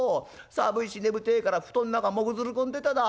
寒いし眠てえから布団ん中もぐずり込んでただ」。